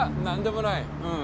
何でもない。